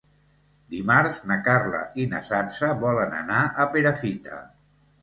Dimarts na Carla i na Sança volen anar a Perafita.